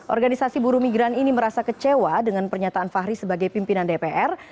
organisasi buru migran ini merasa kecewa dengan pernyataan fahri sebagai pimpinan dpr